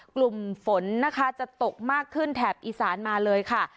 กลุ่มฝนนะคะจะตกมากขึ้นแถบอีสานมาเลยค่ะ